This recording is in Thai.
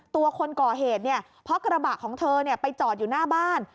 ตัวคนก่อเหตุเนี่ยเพราะกระบะของเธอไปจอดอยู่หน้าบ้าน